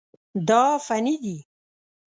دا فني دي.